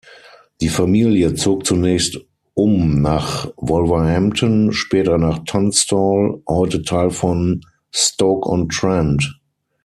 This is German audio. Die Familie zog zunächst um nach Wolverhampton, später nach Tunstall, heute Teil von Stoke-on-Trent.